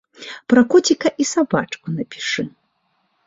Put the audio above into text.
Пра коціка і сабачку напішы.